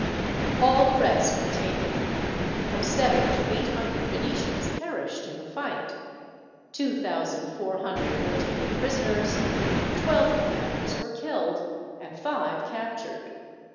All the rest were taken. From seven to eight hundred Venetians perished in the fight, two thousand four hundred were taken prisoners, twelve commanders were killed, and five captured.